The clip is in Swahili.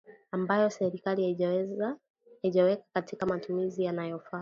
ambayo serikali haijaweka katika matumizi yanayofaa